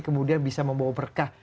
kemudian bisa membawa berkah